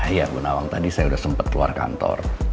iya bunawang tadi saya udah sempet keluar kantor